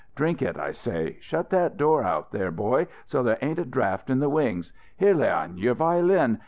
Drink it, I say. Shut that door out there, boy, so there ain't a draft in the wings. Here, Leon, your violin.